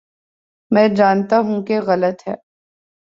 میں جانتا ہوں کہ غلط ہے۔